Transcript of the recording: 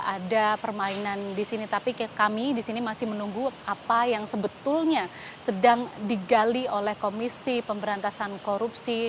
ada permainan di sini tapi kami di sini masih menunggu apa yang sebetulnya sedang digali oleh komisi pemberantasan korupsi